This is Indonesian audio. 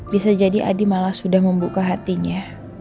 bisa jadi adi malah sudah membuka hatinya